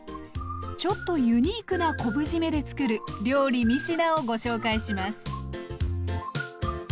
ちょっとユニークな昆布じめでつくる料理三品をご紹介します。